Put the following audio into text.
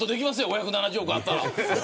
５７０億あったら。